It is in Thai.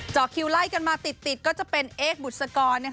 คิวไล่กันมาติดก็จะเป็นเอกบุษกร